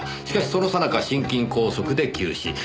しかしその最中心筋梗塞で急死。